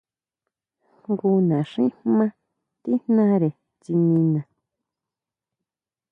Jngu naxín jmá tíjnare tsinina.